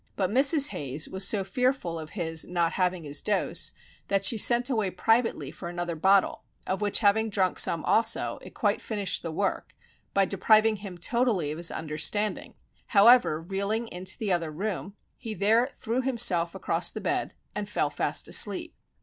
But Mrs. Hayes was so fearful of his not having his dose, that she sent away privately for another bottle, of which having drunk some also, it quite finished the work, by depriving him totally of his understanding; however, reeling into the other room, he there threw himself across the bed and fell fast asleep.